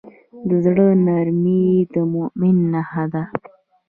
د زړه نرمي د مؤمن نښه ده.